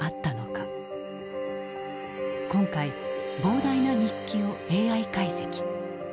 今回膨大な日記をＡＩ解析。